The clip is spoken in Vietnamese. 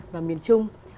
và miền trung